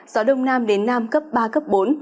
gió đông nam đến nam cấp ba cấp bốn